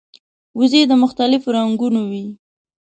وزې د مختلفو رنګونو وي